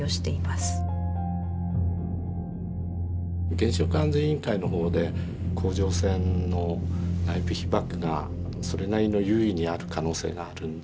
原子力安全委員会の方で甲状腺の内部被ばくがそれなりの有意にある可能性があるんで。